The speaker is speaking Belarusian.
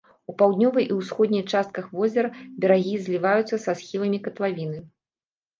У паўднёвай і ўсходняй частках возера берагі зліваюцца са схіламі катлавіны.